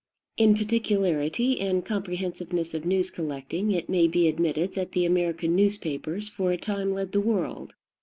In particularity and comprehensiveness of news collecting, it may be admitted that the American newspapers for a time led the world.